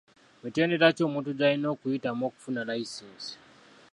Mitendera ki omuntu gy'ayina okuyitamu okufuna layisinsi.